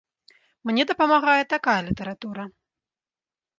Мне дапамагае такая літаратура.